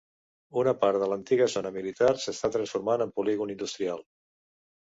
Una part de l'antiga zona militar s'està transformant en polígon industrial.